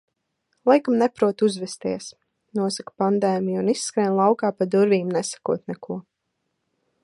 "Laikam neproti uzvesties," nosaka pandēmija un izskrien laukā pa durvīm nesakot neko.